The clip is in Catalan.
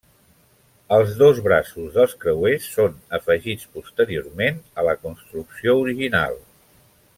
Els dos braços dels creuers són afegits posteriorment a la construcció original.